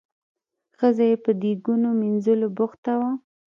ښځه یې په دیګونو مینځلو بوخته وه.